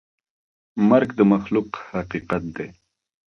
مرګ د مخلوق حقیقت دی.